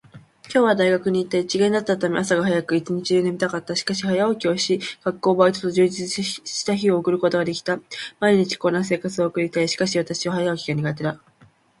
私は今日大学に行った。一限だったため、朝が早く、一日中眠たかった。しかし、早起きをし、学校、バイトと充実した日を送ることができた。毎日こんな生活を送りたい。しかし私は早起きが苦手だ。